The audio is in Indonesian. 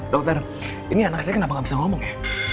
dokter ini anak saya kenapa gak bisa ngomong ya